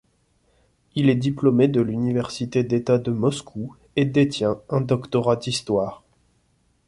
Il est diplômé de l'université d'État de Moscou et détient un doctorat d'histoire.